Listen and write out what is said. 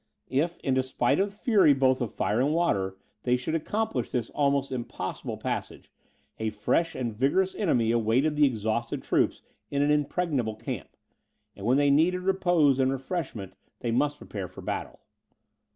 If, in despite of the fury both of fire and water, they should accomplish this almost impossible passage, a fresh and vigorous enemy awaited the exhausted troops in an impregnable camp; and when they needed repose and refreshment they must prepare for battle.